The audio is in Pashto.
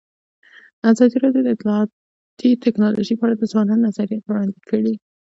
ازادي راډیو د اطلاعاتی تکنالوژي په اړه د ځوانانو نظریات وړاندې کړي.